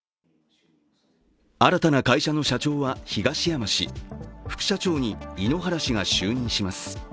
新たな会社の社長は東山氏、副社長に井ノ原氏が就任します。